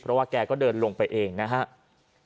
เพราะว่าแกก็เดินลงไปเองนะครับ